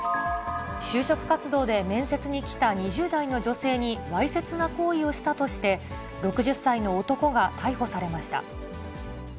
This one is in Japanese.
就職活動で面接に来た２０代の女性に、わいせつな行為をしたとして、６０歳の男が逮捕されました。